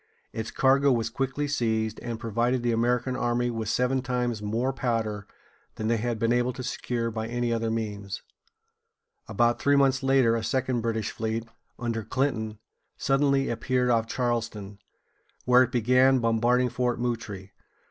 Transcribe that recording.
Its cargo was quickly seized, and provided the American army with seven times more powder than they had been able to secure by any other means. About three months later a second British fleet, under Clinton, suddenly appeared off Charleston, where it began bombarding Fort Moultrie (moo´trī).